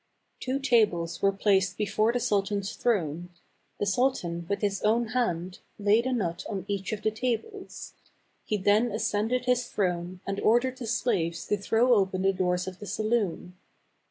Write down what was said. Two tables were placed before the sultan's throne ; the sultan, with his own hand, laid a nut on each of the tables. He then ascended his throne, and ordered the slaves to throw open the doors of the saloon.